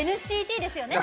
ＮＣＴですよね。